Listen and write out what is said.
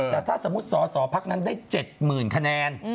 แต่ถ้าสมมุติสอสอพักนั้นได้๗๐๐๐คะแนน